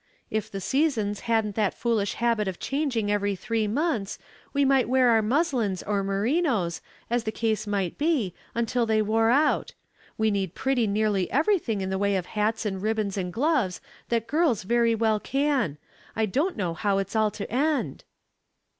"If the seasong hadn't that foolish habit of changing every three months, we might wear our muslins or merinos, as the case might be, until they wore out. We need pretty nearly everything in the way of hats and ribbons and gloves that girls very well can. I don't know how it's all to end."